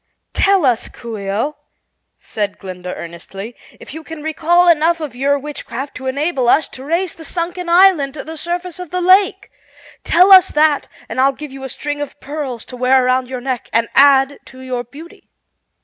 "Tell us, Coo ee oh," said Glinda earnestly, "if you can recall enough of your witchcraft to enable us to raise the sunken island to the surface of the lake. Tell us that and I'll give you a string of pearls to wear around your neck and add to your beauty."